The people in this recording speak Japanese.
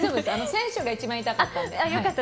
先週が一番痛かったので。